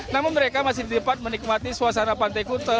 namun mereka masih dapat menikmati suasana pantai kute